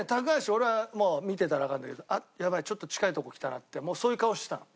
俺はもう見てたらわかるんだけど「あっやばいちょっと近いとこきたな」ってもうそういう顔してたの。